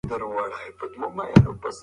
صميمي چلند د ستونزو حل دی.